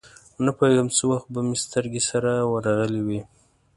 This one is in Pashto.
نپوهېږم څه وخت به مې سترګې سره ورغلې وې.